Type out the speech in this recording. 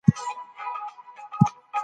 کمپيوټر مال تعقيبوي.